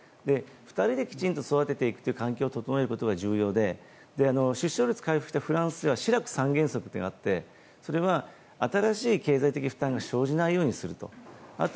２人できちんと育てていく環境を整えることが重要で出生率回復するためにフランスではシラク３原則というのがあってそれは新しい経済的負担が生じないようにすると。